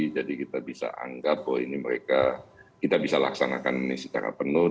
jadi kita bisa anggap bahwa ini mereka kita bisa laksanakan ini secara penuh